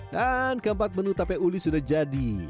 dan keempat menu tape uli sudah jadi